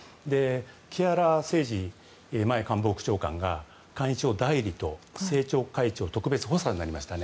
木原誠二前官房副長官が幹事長代理と政調会長特別補佐になりました。